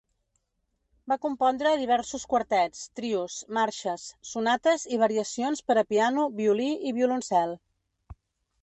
Va compondre diversos quartets, trios, marxes, sonates i variacions per a piano, violí i violoncel.